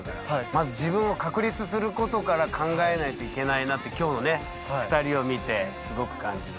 まず自分を確立することから考えないといけないなって今日のね２人を見てすごく感じました。